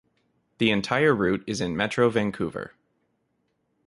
The entire route is in Metro Vancouver.